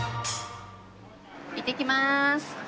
いってきます！